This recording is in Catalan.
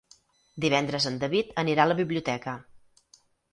Divendres en David anirà a la biblioteca.